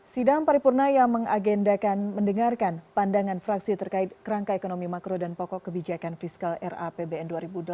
sidang paripurna yang mengagendakan mendengarkan pandangan fraksi terkait kerangka ekonomi makro dan pokok kebijakan fiskal rapbn dua ribu delapan belas